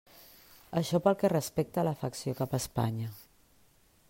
Això pel que respecta a l'afecció cap a Espanya.